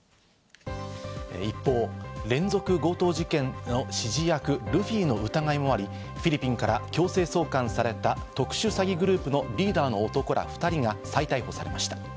一方を連続強盗事件の指示役ルフィの疑いもあり、フィリピンから強制送還された特殊詐欺グループのリーダーの男ら２人が再逮捕されました。